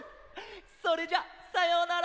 それじゃあさようなら！